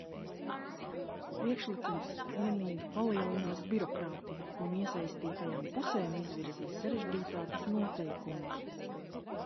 Priekšlikums vienīgi palielinās birokrātiju un iesaistītajām pusēm izvirzīs sarežģītākus noteikumus.